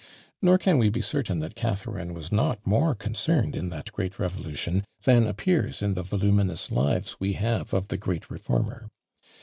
Nor can we be certain that Catherine was not more concerned in that great revolution than appears in the voluminous Lives we have of the great reformer.